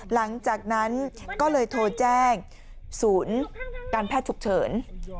หลังจากนั้นก็เลยโทรแจ้งศูนย์การแพทย์ฉุกเฉิน